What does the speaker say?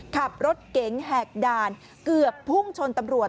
ขับรถเก๋งแหกด่านเกือบพุ่งชนตำรวจ